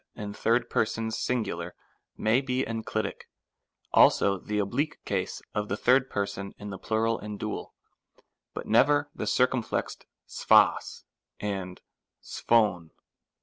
67 persons singular may be enclitic, also the oblique case of the third person in the plural and dual, but never the circumflexed ccpdq and 6(pC}v.